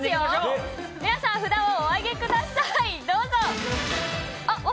皆さん、札をお上げくださいどうぞ。